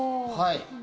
はい。